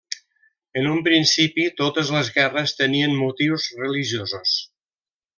En un principi totes les guerres tenien motius religiosos.